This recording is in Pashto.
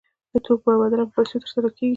د توکو مبادله په پیسو ترسره کیږي.